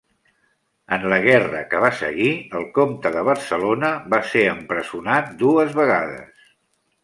En la guerra que va seguir, el comte de Barcelona va ser empresonat dues vegades.